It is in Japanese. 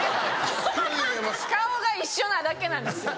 顔が一緒なだけなんですよ。